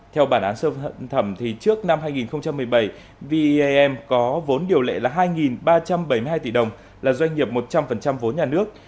theo bản án sơ thẩm trước năm hai nghìn một mươi bảy v e a m có vốn điều lệ là hai ba trăm bảy mươi hai tỷ đồng là doanh nghiệp một trăm linh vốn nhà nước